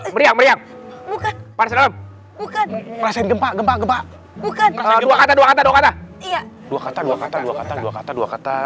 meriang meriang bukan pasang gempa gempa dua kata dua kata dua kata dua kata dua kata dua kata